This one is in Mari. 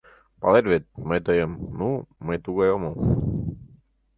Палет вет, мый тыйым.., ну, мый тугай омыл!